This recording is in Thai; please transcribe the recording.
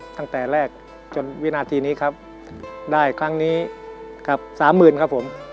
ตั้งแต่แรกจนวินาทีนี้ครับได้ครั้งนี้ครับสามหมื่นครับผม